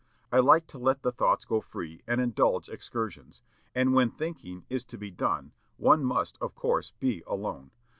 I like to let the thoughts go free, and indulge excursions. And when thinking is to be done one must, of course, be alone.